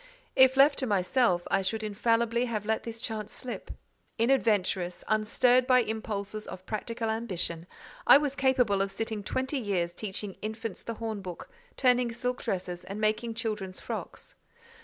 If left to myself, I should infallibly have let this chance slip. Inadventurous, unstirred by impulses of practical ambition, I was capable of sitting twenty years teaching infants the hornbook, turning silk dresses and making children's frocks.